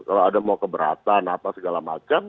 kalau ada mau keberatan apa segala macam